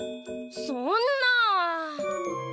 そんなあ。